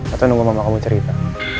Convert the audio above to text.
atau nunggu mama kamu cerita